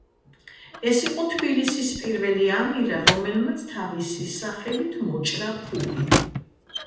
ეს იყო თბილისის პირველი ამირა, რომელმაც თავისი სახელით მოჭრა ფული.